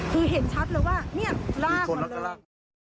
คือเห็นชัดเลยว่าเนี่ยลากมาเลย